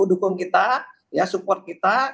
dukung kita ya support kita